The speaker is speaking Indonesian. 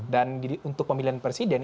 dan untuk pemilihan presiden